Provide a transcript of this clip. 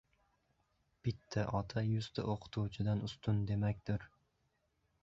Bitta ota yuzta o‘qituvchidan ustun demakdir.